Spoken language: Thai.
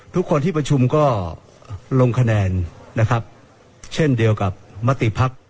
ทุกคนที่ประชุมก็ลงคะแนนนะครับเช่นเดียวกับมติภักดิ์